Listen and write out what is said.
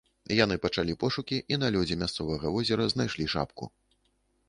Яны пачалі пошукі і на лёдзе мясцовага возера знайшлі шапку.